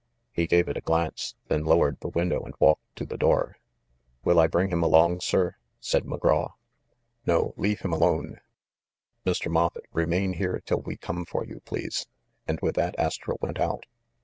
He gave it a glance, then lowered the window and walked to the door. "Will I bring him along, sir?" said McGraw. "No, leave him alone. Mr. MofTett, remain here till we come for you, please." And with that, Astro went out.